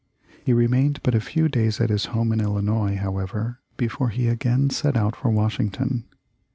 He remained but a few days at his home in Illinois, however, before he again set out for Washington.